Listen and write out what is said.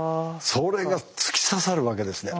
それが突き刺さるわけですね。